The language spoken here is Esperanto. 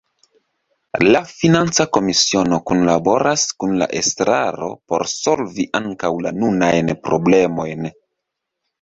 La financa komisiono kunlaboras kun la estraro por solvi ankaŭ la nunajn problemojn.